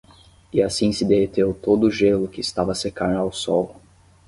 e assim se derreteu todo o gelo que estava a secar ao sol